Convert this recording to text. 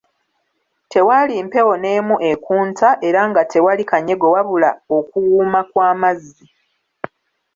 Tewaali mpewo n'emu ekunta, era nga tewali kanyego wabula okuwuuma kw'amazzi.